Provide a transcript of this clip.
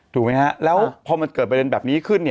ถูกไหมฮะแล้วพอมันเกิดประเด็นแบบนี้ขึ้น